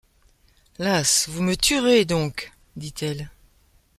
Las ! vous me tuerez doncques ? dit-elle.